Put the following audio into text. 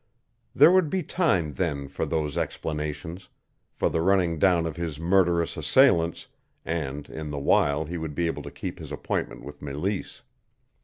There would be time then for those explanations, for the running down of his murderous assailants, and in the while he would be able to keep his appointment with Meleese.